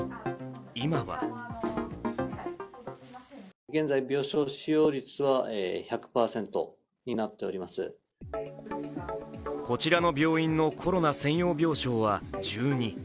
今はこちらの病院のコロナ専用病床は１２。